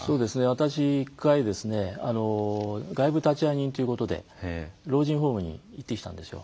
私、１回外部立会人ということで老人ホームに行ってきたんですよ。